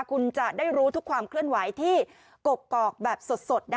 คุณจะได้รู้ทุกความเคลื่อนไหวที่กกอกแบบสด